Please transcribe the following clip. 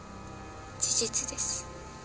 事実です。